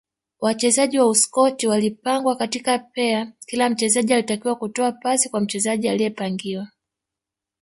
Wachezaji wa Uskoti walipangwa katika pea kila mchezaji alitakiwa kutoa pasi kwa mchezaji aliyepangiwa